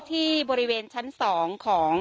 ที่บริเวณชั้น๒ของ